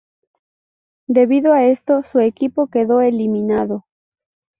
Debido a esto, su equipo quedó eliminado.